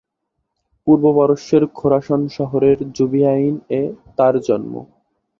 পূর্ব পারস্যের খোরাসান শহরের জুভিআইন-এ তাঁর জন্ম।